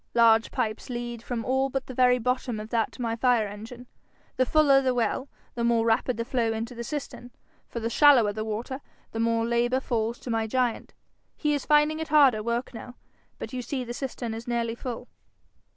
Large pipes lead from all but the very bottom of that to my fire engine. The fuller the well, the more rapid the flow into the cistern, for the shallower the water, the more labour falls to my giant. He is finding it harder work now. But you see the cistern is nearly full.'